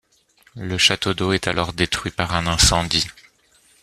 Le château d'eau est alors détruit par un incendie.